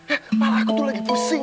eh malah aku tuh lagi pusing